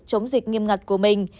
chống dịch nghiêm ngặt của mình